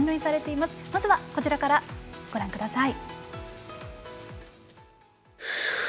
まずは、こちらからご覧ください。